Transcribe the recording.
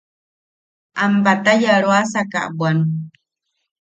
Am batayoaroasaka bwan.